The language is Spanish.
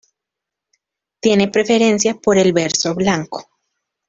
Tiene preferencia por el verso blanco.